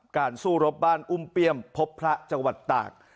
สู้รบบ้านอุ้มเปี้ยมพบพระจังหวัดตาก